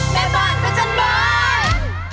แม่บ้านคุณฉั่นบ้าน